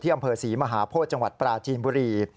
อำเภอศรีมหาโพธิจังหวัดปราจีนบุรี